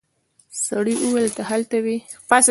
سړي وويل ته هلته وې.